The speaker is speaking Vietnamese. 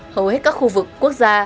hầu hết các khu vực quốc gia